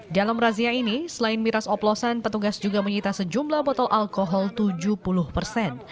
dalam razia ini selain miras oplosan petugas juga menyita sejumlah botol alkohol tujuh puluh persen